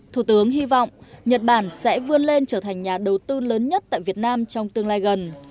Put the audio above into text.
thủ tướng hy vọng nhật bản sẽ vươn lên trở thành nhà đầu tư lớn nhất tại việt nam trong tương lai gần